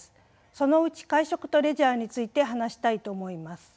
そのうち会食とレジャーについて話したいと思います。